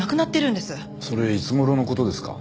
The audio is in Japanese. それいつ頃の事ですか？